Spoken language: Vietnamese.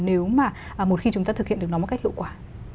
nếu mà khi chúng ta thực hiện được nó một cách hiệu quả